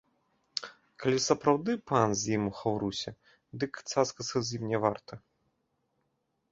Калі сапраўды пан з ім у хаўрусе, дык цацкацца з ім не варта.